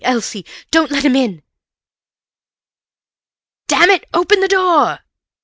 Elsie! Don't let him in!" "Damn it, open the door!"